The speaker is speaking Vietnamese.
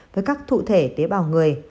với các thụ thể tế bào người